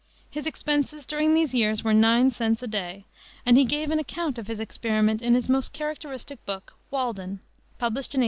His expenses during these years were nine cents a day, and he gave an account of his experiment in his most characteristic book, Walden, published in 1854.